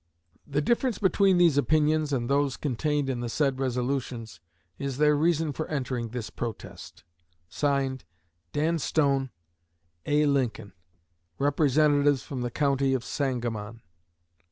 The difference between these opinions and those contained in the said resolutions, is their reason for entering this protest. (Signed) DAN STONE, A. LINCOLN, _Representatives from the County of Sangamon.